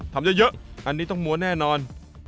ทำเยอะอันนี้ต้องมัวแน่นอน